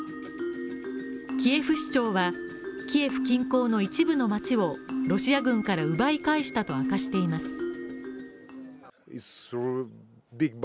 キエフ市長は、キエフ近郊の一部の街をロシア軍から奪い返したと明かしています。